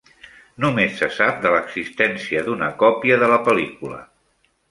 Només se sap de l'existència d'una còpia de la pel·lícula.